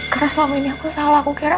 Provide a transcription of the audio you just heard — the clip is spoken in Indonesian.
karena selama ini aku salah aku kira